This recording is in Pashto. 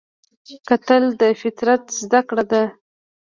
کتل د فطرت زده کړه ده